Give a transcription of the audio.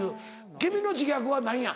君の自虐は何や？